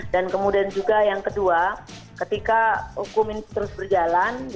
dan kemudian juga yang kedua ketika hukum ini terus berjalan